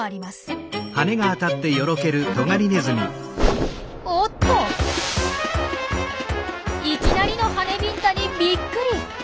いきなりの羽ビンタにびっくり。